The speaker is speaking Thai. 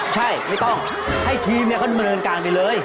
ใช่ไม่ต้องให้ทีมมันมาเดินกลางไปเลย